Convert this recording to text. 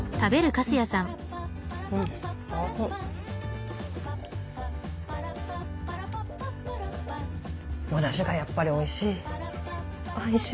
おだしがやっぱりおいしい。